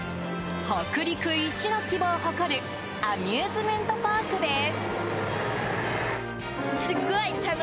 北陸一の規模を誇るアミューズメントパークです。